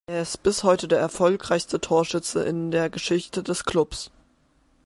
Er ist bis heute der erfolgreichste Torschütze in der Geschichte des Clubs.